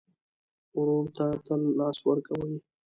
ورور ته تل لاس ورکوې.